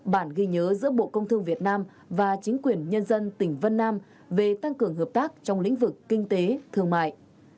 bản ghi nhớ giữa bộ công thương việt nam và chính quyền nhân dân tỉnh vân nam về tăng cường hợp tác trong lĩnh vực kinh tế thương mại